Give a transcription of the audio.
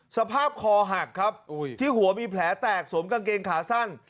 สภาพคอหักครับที่หัวมีแผลแตกสวมกางเกงขาสั้น